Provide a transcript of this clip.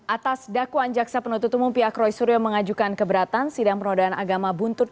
atas dakwaan jaksa penuntut umum pihak roy suryo mengajukan keberatan sidang penodaan agama buntut